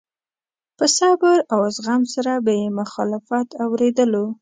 په صبر او زغم سره به يې مخالف اورېدلو.